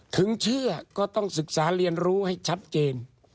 ถึงเชื่อก็ต้องศึกษาเรียนรู้ให้ชัดเจน